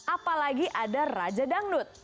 apalagi ada raja dangdut